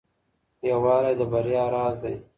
يووالی د بريا راز دی.